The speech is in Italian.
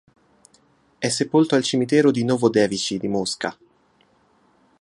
È sepolto al cimitero di Novodevičij di Mosca.